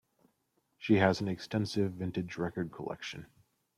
She has an extensive vintage record collection.